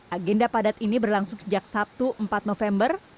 agenda padat ini berlangsung sejak sabtu empat november